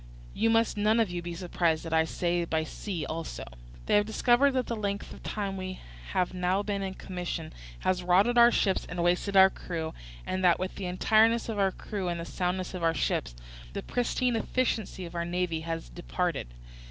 You must none of you be surprised that I say by sea also. They have discovered that the length of the time we have now been in commission has rotted our ships and wasted our crews, and that with the entireness of our crews and the soundness of our ships the pristine efficiency of our navy has departed.